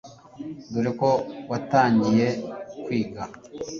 dore ko watangiye kwiga